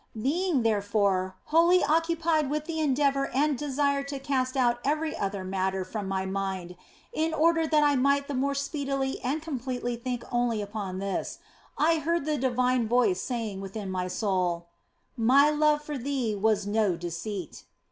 Being, therefore, wholly occupied with the endeavour and desire to cast out every other matter from my mind in order that I might the more speedily and completely think only upon this, I heard the divine voice saying within my soul, " My love for thee was no deceit."